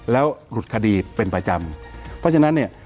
และหลุดคดีเป็นประจำเพราะฉะนั้น